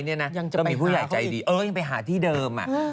ยังมีผู้ใหญ่ใจดีเออยังไปหาที่เดิม